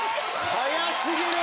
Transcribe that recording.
早過ぎる！